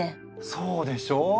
そうでしょう？